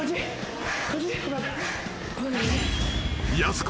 ［やす子。